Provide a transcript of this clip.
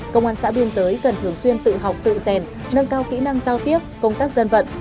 công an xã biên giới cần thường xuyên tự học tự rèn nâng cao kỹ năng giao tiếp công tác dân vận